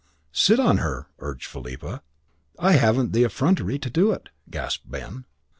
"Sit on her," urged Philippa. "I haven't the effrontery to do it," gasped Ben.